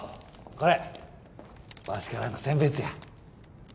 これわしからの餞別や。